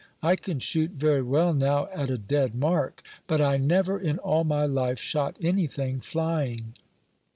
I can shoot very well now at a dead mark; but I never, in all my life, shot anything flying."